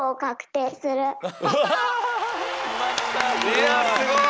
いやすごい！